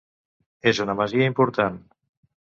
És una masia important.